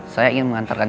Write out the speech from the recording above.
saya ingin mengantarkan